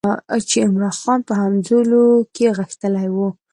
چې عمرا خان په همزولو کې غښتلی وو.